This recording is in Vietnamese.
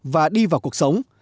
và đi vào cuộc sống